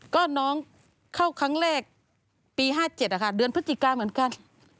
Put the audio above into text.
ก็น้องเข้าครั้งแรกปี๕๗นะคะเดือนพฤศจิกาเหมือนกัน